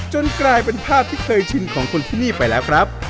กลายเป็นภาพที่เคยชินของคนที่นี่ไปแล้วครับ